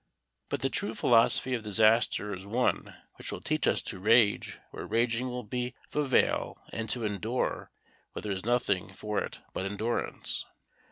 But the true philosophy of disaster is one which will teach us to rage where raging will be of avail and to endure where there is nothing for it but endurance.